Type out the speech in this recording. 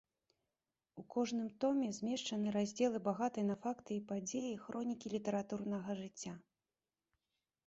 У кожным томе змешчаны раздзелы багатай на факты і падзеі хронікі літаратурнага жыцця.